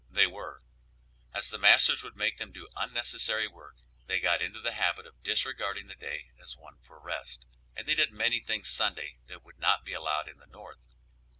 They were; as the masters would make them do unnecessary work, they got into the habit of disregarding the day as one for rest, and did many things Sunday that would not be allowed in the North.